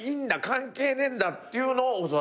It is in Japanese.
関係ねえんだっていうの教わった。